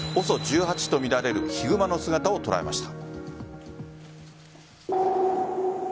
ＯＳＯ１８とみられるヒグマの姿を捉えました。